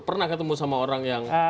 pernah ketemu sama orang yang